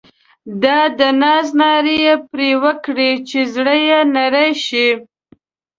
دا د ناز نارې یې پر وکړې چې زړه یې نری شي.